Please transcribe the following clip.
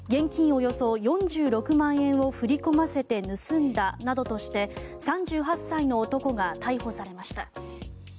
およそ４６万円を振り込ませて盗んだなどとして３８歳の男が逮捕されました。